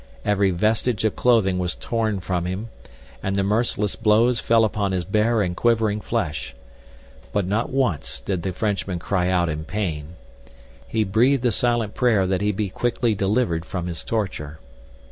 Every vestige of clothing was torn from him, and the merciless blows fell upon his bare and quivering flesh. But not once did the Frenchman cry out in pain. He breathed a silent prayer that he be quickly delivered from his torture.